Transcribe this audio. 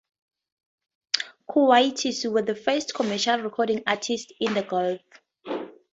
Kuwaitis were the first commercial recording artists in the Gulf.